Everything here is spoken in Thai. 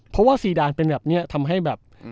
เพราะว่าซีดานเป็นแบบนี้ทำให้แบบ